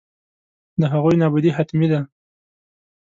د هغوی نابودي حتمي ده.